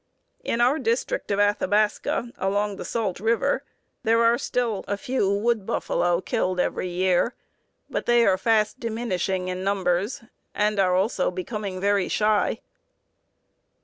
In our district of Athabasca, along the Salt River, there are still a few wood buffalo killed every year, but they are fast diminishing in numbers and are also becoming very shy."